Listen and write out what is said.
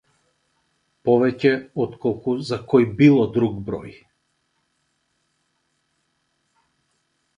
Повеќе отколку за кој било друг број.